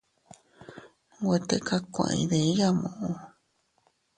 Nwe tikakue iydiya muʼu.